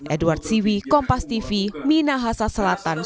edward siwi kompas tv minahasa selatan